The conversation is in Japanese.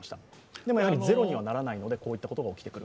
でもゼロにらならないのでこういうことが起きてくる。